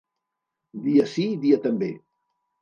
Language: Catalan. Dia sí, dia també.